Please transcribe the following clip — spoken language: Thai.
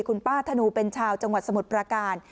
คุณป้าธนูเป็นชาวจังหวัดสมุทรประการ